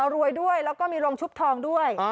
รวยด้วยแล้วก็มีโรงชุบทองด้วย